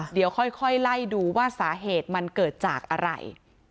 เดี๋ยวค่อยไล่ดูว่าสาเหตุมันเกิดจากอะไร